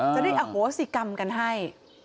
จะได้อโหสิกรรมกันให้